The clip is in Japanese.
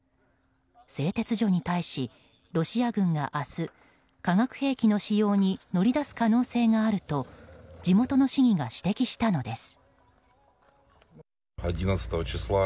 製鉄所に対しロシア軍が明日化学兵器の使用に乗り出す可能性があると地元の市議が指摘したのです。